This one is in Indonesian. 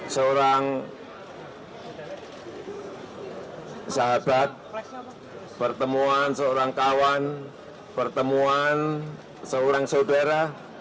seorang sahabat pertemuan seorang kawan pertemuan seorang saudara